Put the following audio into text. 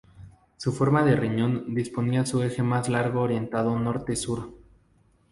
Su forma de riñón disponía su eje más largo orientado Norte-Sur.